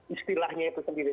istilahnya itu sendiri